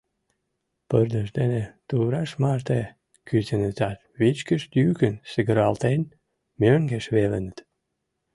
— пырдыж дене тувраш марте кӱзенытат, вичкыж йӱкын сигыралтен, мӧҥгеш велыныт.